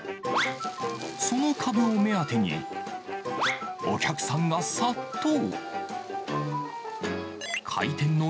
そのかぶを目当てに、お客さんが殺到。